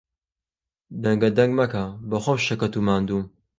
دەنگەدەنگ مەکە، بەخۆم شەکەت و ماندووم.